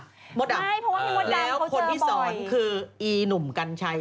ไม่เพราะว่ามันมดดำเขาเจอบ่อยแล้วคนที่สอนคืออีหนุ่มกัญชัย